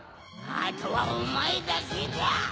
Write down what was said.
あとはおまえだけだ！